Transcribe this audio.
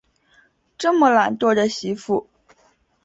这么懒惰的媳妇